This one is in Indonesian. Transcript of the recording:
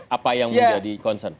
apa yang menjadi concern